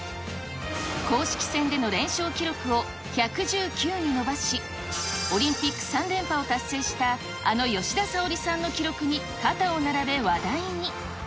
公式戦での連勝記録を１１９に伸ばし、オリンピック３連覇を達成したあの吉田沙保里さんの記録に肩を並べ、話題に。